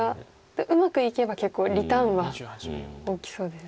うまくいけば結構リターンは大きそうですね。